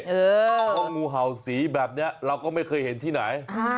เพราะงูเห่าสีแบบนี้เราก็ไม่เคยเห็นที่ไหน